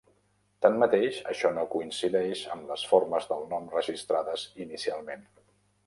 Tanmateix, això no coincideix amb les formes del nom registrades inicialment.